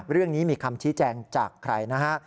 เรื่องนี้มีคำชี้แจงจากใครนะฮะ